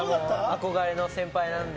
憧れの先輩なんで。